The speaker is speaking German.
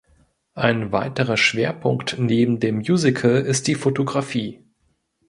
Ein weiterer Schwerpunkt neben dem Musical ist die Fotografie.